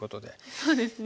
そうですね。